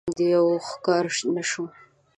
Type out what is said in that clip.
دېو ښکاره نه شو.